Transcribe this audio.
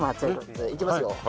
いきますよ。